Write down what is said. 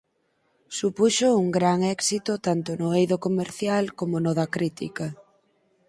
Supuxo un gran éxito tanto no eido comercial como no da crítica.